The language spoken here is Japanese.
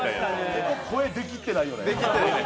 ほぼ声、出きってないよね。